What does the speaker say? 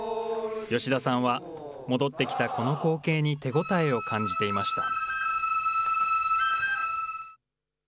吉田さんは戻ってきたこの光景に手応えを感じていました。